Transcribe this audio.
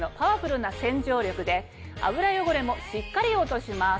で油汚れもしっかり落とします。